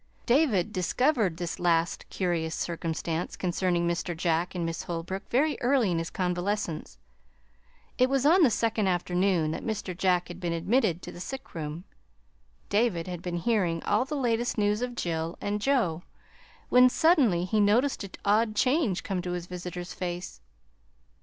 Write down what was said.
David discovered this last curious circumstance concerning Mr. Jack and Miss Holbrook very early in his convalescence. It was on the second afternoon that Mr. Jack had been admitted to the sick room. David had been hearing all the latest news of Jill and Joe, when suddenly he noticed an odd change come to his visitor's face.